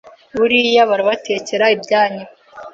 buriya barabatekera ibyanyu.